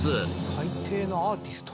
海底のアーティスト！